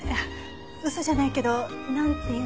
嘘じゃないけどなんていうか。